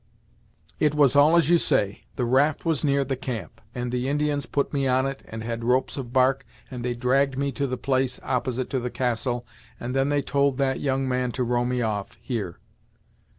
"It was all as you say. The raft was near the camp, and the Indians put me on it, and had ropes of bark, and they dragged me to the place opposite to the castle, and then they told that young man to row me off, here."